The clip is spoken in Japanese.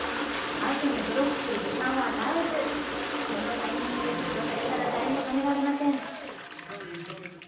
相手にブロックする時間を与えず、このタイミングでシュートされたら誰も止められません。